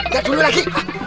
ya dulu lagi